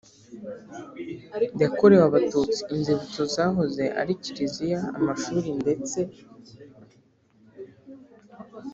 yakorewe Abatutsi Inzibutso zahoze ari Kiliziya amashuri ndetse